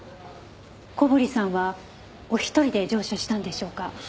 小堀さんはお一人で乗車したんでしょうか？